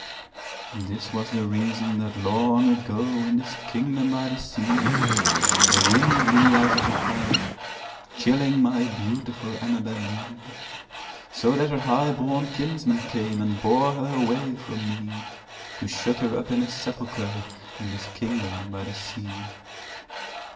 And this was the reason that, long ago, In this kingdom by the sea, A wind blew out of a cloud, chilling My beautiful Annabel Lee; So that her highborn kinsmen came And bore her away from me, To shut her up in a sepulchre In this kingdom by the sea.